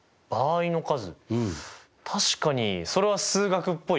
確かにそれは数学っぽいですね。